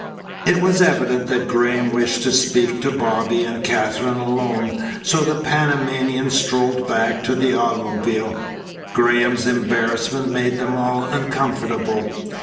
It was evident that Graham wished to speak to Bobby and Katherine alone, so the Panamanian strolled back to the automobile. Graham's embarrassment made them all uncomfortable.